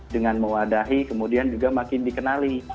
dengan mewadahi kemudian juga makin dikenali